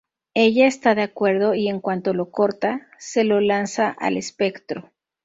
Ella está de acuerdo, y en cuanto lo corta, se lo lanza al espectro.